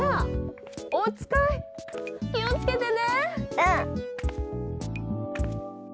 うん！